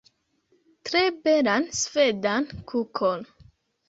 Tre belan svedan kukon